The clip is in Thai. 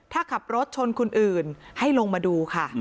ถ้าขับรถชนคนอื่นให้ลงมาดูค่ะ